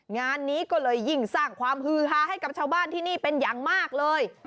งานนี้ก็เลยยิ่งสร้างความฮือฮาให้กับชาวบ้านที่นี่เป็นอย่างมากเลย